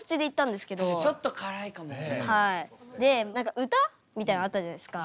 で何か歌みたいなのあったじゃないですか。